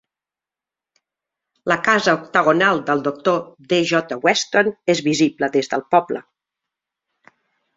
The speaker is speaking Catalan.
La casa octagonal del Dr. D. J. Weston és visible des del poble.